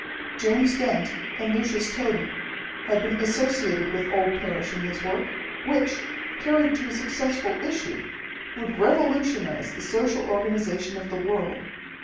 James Dent and Lucius Tode had been associated with old Parrish in this work, which, carried to a successful issue, would revolutionize the social organization of the world.